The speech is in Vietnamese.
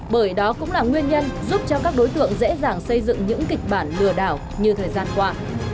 bởi đó cũng là nguyên nhân giúp cho các đối tượng dễ dàng xây dựng những kịch bản lừa đảo như thời gian qua